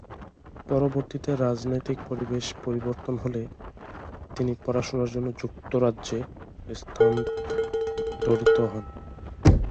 পরবর্তীতে রাজনৈতিক পরিবেশ পরিবর্তন হলে তিনি পড়াশুনার জন্য যুক্তরাজ্য স্থানান্তরিত হন।